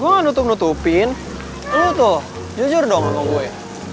gue ga nutup nutupin lo tuh jujur dong sama gue